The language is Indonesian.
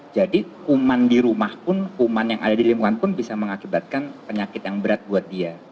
kuman di rumah pun kuman yang ada di lingkungan pun bisa mengakibatkan penyakit yang berat buat dia